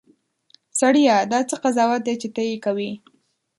سړیه! دا څه قضاوت دی چې ته یې کوې.